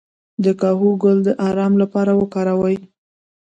د کاهو ګل د ارام لپاره وکاروئ